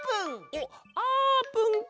おっあーぷんか！